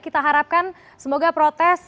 kita harapkan semoga protes